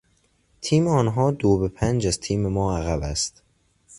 تیم آنها دو به پنج از تیم ما عقب است.